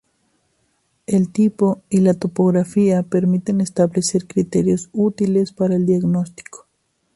El tipo y la topografía permiten establecer criterios útiles para el diagnóstico.